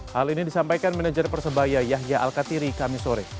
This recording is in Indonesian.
hal ini disampaikan manajer persebaya yahya al katiri kamisore